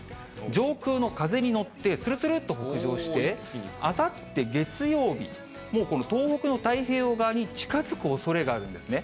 上空の風に乗ってするするっと北上して、あさって月曜日、もうこの東北の太平洋側に近づくおそれがあるんですね。